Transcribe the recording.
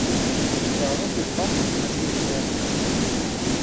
zarokên xwe mezin dike.